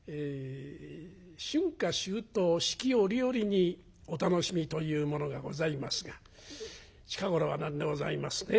春夏秋冬四季折々にお楽しみというものがございますが近頃は何でございますね